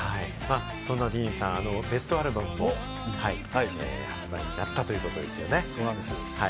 そんなＤＥＡＮさん、ベストアルバムも発売になったということですね。